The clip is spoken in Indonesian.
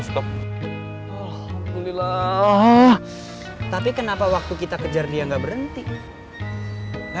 sampai jumpa di video selanjutnya